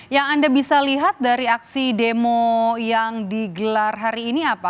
yang anda bisa lihat dari aksi demo yang digelar hari ini apa